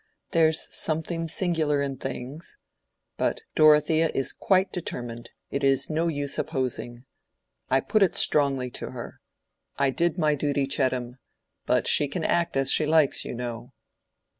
There's something singular in things. But Dorothea is quite determined—it is no use opposing. I put it strongly to her. I did my duty, Chettam. But she can act as she likes, you know."